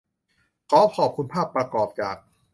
ขอขอบคุณภาพประกอบจาก